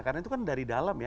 karena itu kan dari dalam ya